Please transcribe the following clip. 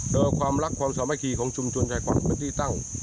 โดยความรักความสามารถขี้ของชุมชนไชกรเป็นที่ตั้ง